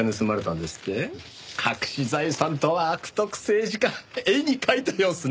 隠し財産とは悪徳政治家絵に描いたようですね。